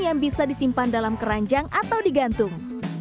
yang bisa disimpan dalam keranjang atau digantung